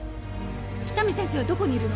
喜多見先生はどこにいるの？